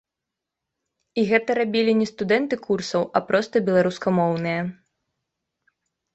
І гэта рабілі не студэнты курсаў, а проста беларускамоўныя.